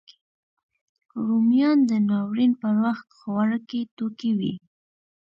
رومیان د ناورین پر وخت خوارکي توکی وي